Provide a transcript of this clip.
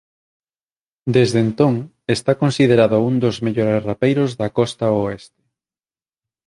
Desde entón está considerado un dos mellores rapeiros da Costa Oeste.